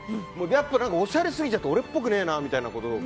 やっぱりおしゃれすぎちゃって俺っぽくないなっていうことで。